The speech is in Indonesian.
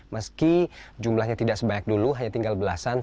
meski jumlahnya tidak sebanyak dulu hanya tinggal belasan